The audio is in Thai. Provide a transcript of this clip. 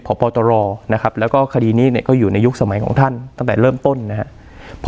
พบตรนะครับแล้วก็คดีนี้เนี่ยก็อยู่ในยุคสมัยของท่านตั้งแต่เริ่มต้นนะครับ